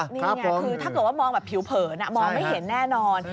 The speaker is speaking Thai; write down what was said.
นี่ไงคือถ้าเกิดว่ามองแบบผิวเผินมองไม่เห็นแน่นอน